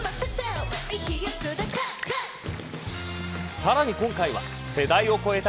さらに今回は世代を超えた